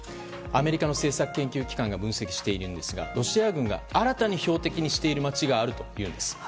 アメリカの政策研究機関が分析しているんですがロシア軍が新たに標的にしている街があるというんです。